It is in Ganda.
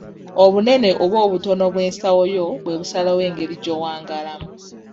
Obunene oba obutono bw'ensawo yo bwe busalawo engeri gy'owangaalamu.